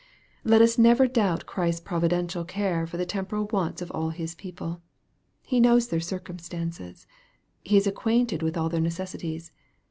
Let us never doubt Christ's providential care for the temporal wants of all His people. He knows their cir cumstances. He is acquainted with all their necessities.